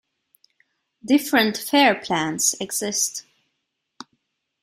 Different fare plans exist.